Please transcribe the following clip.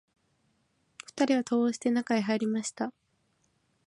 二人は戸を押して、中へ入りました